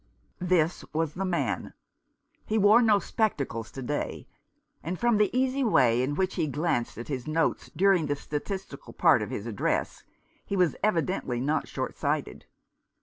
This was the man. He wore no spectacles to day ; and from the easy way in which he glanced at his notes during the statistical part of his address he was evidently not short sighted.